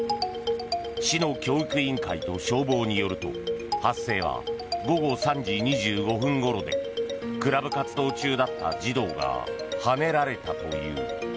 市の教育委員会と消防によると発生は午後３時２５分ごろでクラブ活動中だった児童がはねられたという。